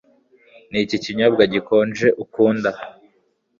Niki kinyobwa gikonje ukunda